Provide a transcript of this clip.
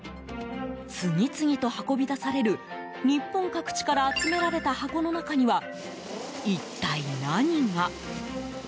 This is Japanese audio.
次々と運び出される日本各地から集められた箱の中には一体、何が？